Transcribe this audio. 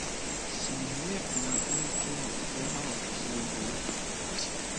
Smenyafen amkan tama n tzewwut.